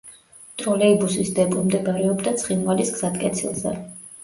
ტროლეიბუსის დეპო მდებარეობდა ცხინვალის გზატკეცილზე.